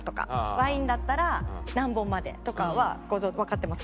ワインだったら何本までとかはわかってますか？